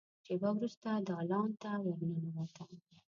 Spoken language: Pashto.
شېبه وروسته دالان ته ور ننوته.